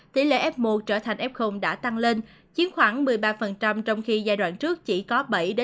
tỷ lệ f một trở thành f đã tăng lên chiếm khoảng một mươi ba trong khi giai đoạn trước chỉ có bảy năm